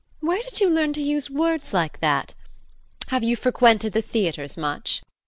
Where did you learn to use words like that? Have you frequented the theatres much? JEAN.